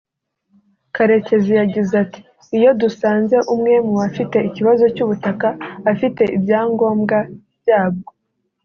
Karekezi yagize ati “Iyo dusanze umwe mu bafite ikibazo cy’ubutaka afite ibyangombwa byabwo